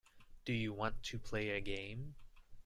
Do you want to play a game.